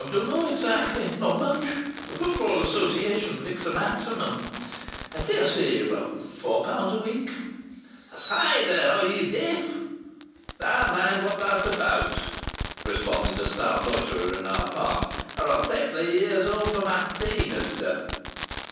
"Don't know exactly. Not much. The Football Association fix a maximum. I daresay about four pounds a week Hi there! Are you deaf?" "Thee mind what tha'rt about!" responded a stout loiterer in our path. "Or I'll take thy ears home for my tea, mester."